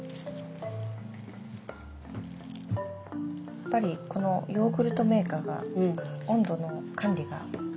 やっぱりこのヨーグルトメーカーが温度の管理がいいんですかね。